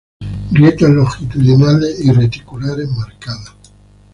Grietas longitudinales y reticulares marcadas.